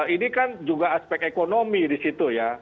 ini kan juga aspek ekonomi disitu ya